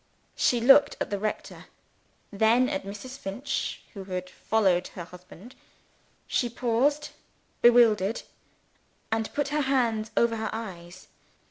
She looked at the rector then at Mrs. Finch, who had followed her husband. She paused bewildered, and put her hands over her eyes.